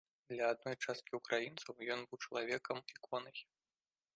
Для адной часткі ўкраінцаў ён быў чалавекам-іконай.